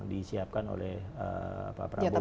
disiapkan oleh pak prabowo